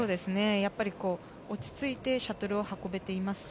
やっぱり落ち着いてシャトルを運べていますし